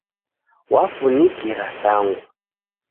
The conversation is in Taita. Wafunikira Sangu